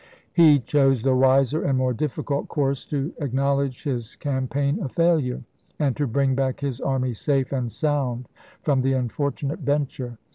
He chose the wiser and more difficult course to acknowledge his cam paign a failure, and to bring back his army safe and sound from the unfortunate venture.